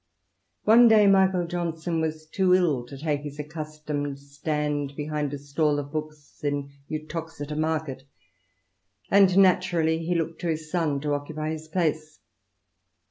One day Michael Johnson was too ill to take his accustomed stand behind a stall oi \^qc!«& Sxi vi INTRODUCTION. Uttoxeter market, and naturally he looked to his son to occupy his place.